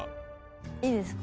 いいですか？